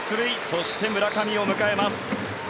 そして村上を迎えます。